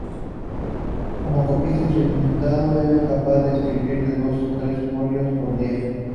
Un copista experimentado era capaz de escribir de dos a tres folios por día.